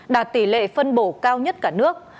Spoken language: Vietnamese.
đạt tỷ lệ phân bổ cao nhất cả nước